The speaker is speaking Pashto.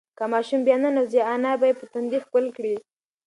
که ماشوم بیا ننوځي، انا به یې په تندي ښکل کړي.